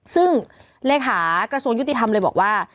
ซึ่งเลยว่า